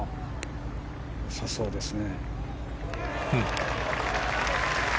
よさそうですね。